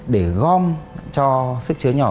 để gom cho sức chứa nhỏ